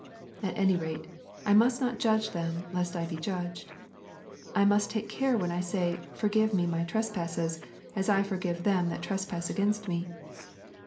At any rate, I must not judge them lest I be judged. I must take care when I say, Forgive me my trespasses, as I forgive them that trespass against me.